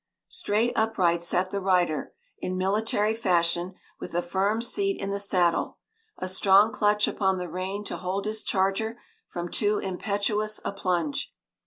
Straight upright sat the rider, in military fashion, with a firm seat in the saddle, a strong clutch upon the rein to hold his charger from too impetuous a plunge.